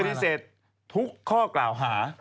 ปฏิเสธทุกข้อกล่าวหา